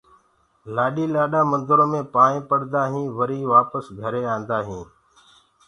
لآڏي لآڏآ مندرو مي پائينٚ پڙدآ هينٚ وري وآپس گھري آندآ هينٚ